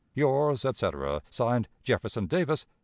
"Yours, etc., (Signed) "Jefferson Davis.